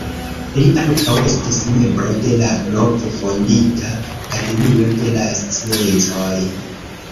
Li ankaŭ estis membro de la nove fondita Akademio de la sciencoj.